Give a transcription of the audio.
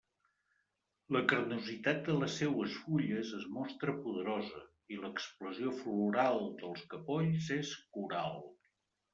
La carnositat de les seues fulles es mostra poderosa, i l'explosió floral dels capolls és coral.